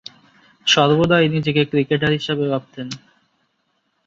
সর্বদাই নিজেকে ক্রিকেটার হিসেবে ভাবতেন।